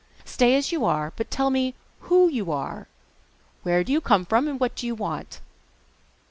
'Stay as you are, but tell me WHO you are! Where do you come from, and what do you want?